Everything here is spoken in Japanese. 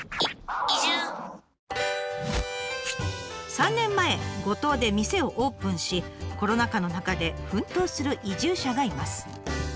３年前五島で店をオープンしコロナ禍の中で奮闘する移住者がいます。